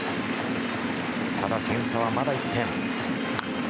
ただ、点差はまだ１点。